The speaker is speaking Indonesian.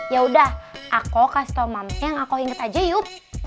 yaudah aku kasih tau mamenya yang aku inget aja yuk